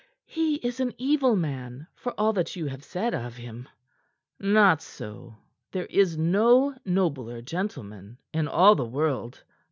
He is an evil man for all that you have said of him." "Not so. There is no nobler gentleman in all the world.